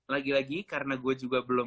lagi lagi karena gue juga belum